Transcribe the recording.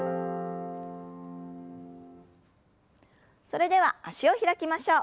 それでは脚を開きましょう。